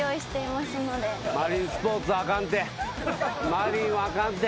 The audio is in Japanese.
マリンはあかんて。